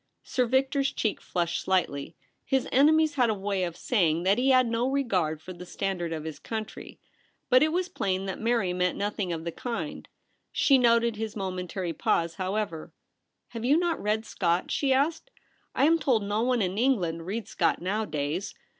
Sir Victor's cheek flushed slightly. His enemies had a way of saying that he had no regard for the standard of his country. But it was plain that Mary meant nothing of the 294 THE REBEL ROSE. kind. She noted his momentary pause, how ever. ' Have you not read Scott ?' she asked. ' I am told no one in Eno^land reads Scott nowadays.